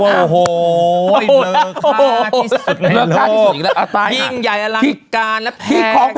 เหลือค่าที่สุดอีกแล้วยิ่งใหญ่อลังกิจการณ์และแพงมาก